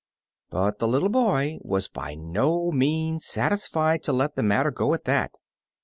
But the little boy was by no means satis fied to let the matter go at that.